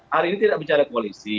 hari ini tidak bicara koalisi